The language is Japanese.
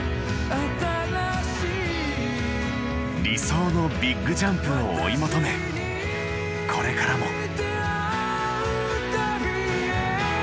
理想のビッグジャンプを追い求めこれからも。